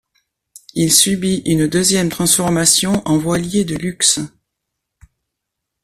Il subit une deuxième transformation en voilier de luxe.